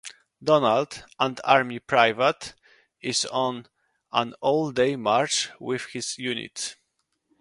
Donald, an Army private, is on an all-day march with his unit.